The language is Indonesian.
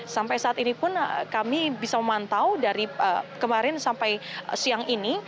sampai saat ini pun kami bisa memantau dari kemarin sampai siang ini